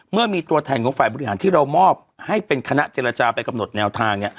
เมื่อมีตัวแทนของฝ่ายบริหารที่เรามอบให้เป็นคณะเจรจาไปกำหนดแนวทาง